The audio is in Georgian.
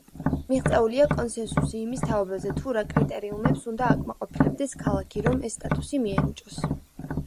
მიღწეულია კონსენსუსი იმის თაობაზე, თუ რა კრიტერიუმებს უნდა აკმაყოფილებდეს ქალაქი, რომ ეს სტატუსი მიენიჭოს.